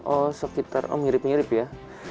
oh sekitar oh mirip mirip ya